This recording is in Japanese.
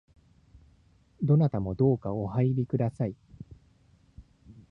どなたもどうかお入りください